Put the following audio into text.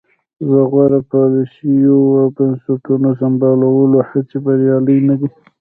د غوره پالیسیو او بنسټونو سمبالولو هڅې بریالۍ نه دي.